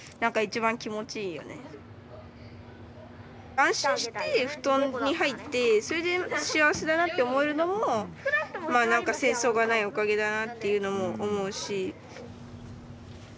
安心して布団に入ってそれで幸せだなって思えるのもまあ何か戦争がないおかげだなっていうのも思うし。